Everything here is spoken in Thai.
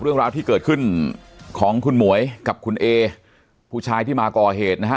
เรื่องราวที่เกิดขึ้นของคุณหมวยกับคุณเอผู้ชายที่มาก่อเหตุนะฮะ